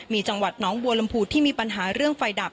มีจังหวัดน้องบัวลำพูที่มีปัญหาเรื่องไฟดับ